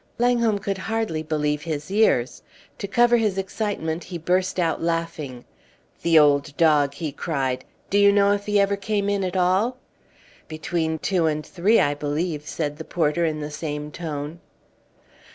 Langholm could hardly believe his ears. To cover his excitement he burst out laughing. "The old dog!" he cried. "Do you know if he ever came in at all?" "Between two and three, I believe," said the porter in the same tone.